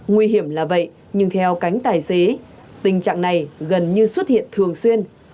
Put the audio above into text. nguy hiểm là vậy nhưng theo cánh tài xế tình trạng này gần như xuất hiện thường xuyên